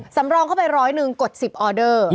สำรองเข้าไปร้อยหนึ่งกด๑๐ออเดอร์